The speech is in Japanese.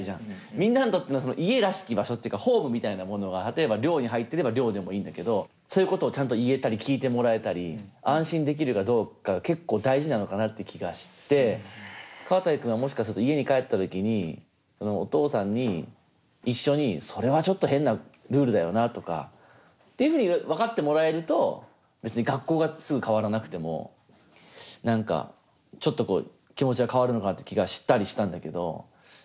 みんなにとっての家らしき場所っていうかホームみたいなものが例えば寮に入ってれば寮でもいいんだけどそういうことをちゃんと言えたり聞いてもらえたり安心できるかどうか結構大事なのかなって気がしてカワタイ君はもしかすると家に帰った時にお父さんに一緒にそれはちょっと変なルールだよなとかっていうふうに分かってもらえると別に学校がすぐ変わらなくても何かちょっと気持ちが変わるのかなって気がしたりしたんだけど。